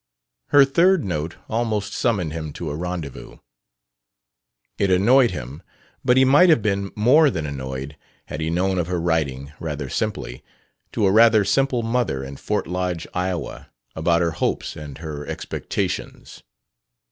Her third note almost summoned him to a rendezvous. It annoyed him; but he might have been more than annoyed had he known of her writing, rather simply, to a rather simple mother in Fort Lodge, Iowa, about her hopes and her expectations.